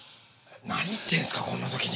何言ってんすかこんな時に。